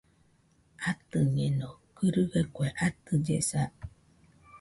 Atɨñeno gɨrɨgaɨ kue atɨllesa